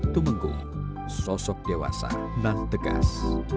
tumenggung sosok dewasa nang tegas